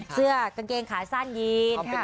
เสื้อกางเกงขาสั้นยีน